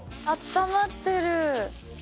あったまってる。